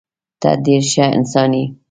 ته ډېر ښه انسان یې.